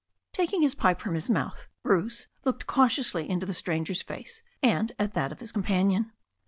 Taking his pipe from his mouth, Bruce looked curiously into the stranger's face and at that of his companion.